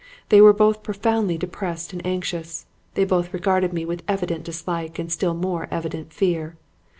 They were both profoundly depressed and anxious; they both regarded me with evident dislike and still more evident fear.